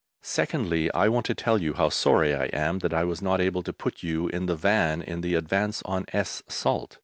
Secondly, I want to tell you how sorry I am that I was not able to put you in the Van in the advance on Es Salt.